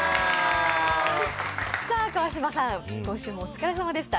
川島さん、今週もお疲れ様でした。